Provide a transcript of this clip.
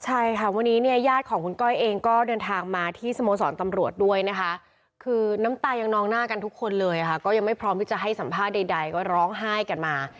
ใช่ค่ะวันนี้เนี่ยญาติของคุณก้อยเองก็เดินทางมาที่สโมสรตำรวจด้วยนะคะคือน้ำตายังนองหน้ากันทุกคนเลยค่ะก็ยังไม่พร้อมที่จะให้สัมภาษณ์ใดก็ร้องไห้กันมา